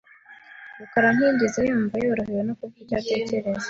rukara ntiyigeze yumva yorohewe no kuvuga icyo atekereza .